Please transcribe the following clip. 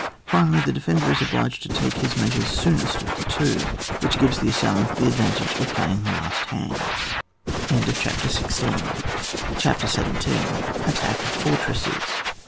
Finally, the defender is obliged to take his measures soonest of the two, which gives the assail ant the advantage of playing the last hand. CHAPTER XVII. ATTACK OF FORTRESSES.